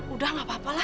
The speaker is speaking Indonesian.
udah nggak apa apalah